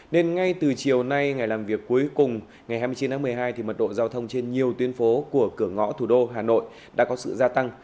nên ngay từ chiều nay ngày làm việc cuối cùng ngày hai mươi chín tháng một mươi hai thì mật độ giao thông trên nhiều tuyến phố của cửa ngõ thủ đô hà nội đã có sự gia tăng